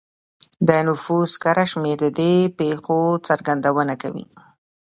د نفوس کره شمېر د دې پېښو څرګندونه کوي